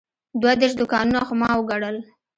دوه دېرش دوکانونه خو ما وګڼل.